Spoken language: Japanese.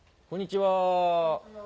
こんにちは。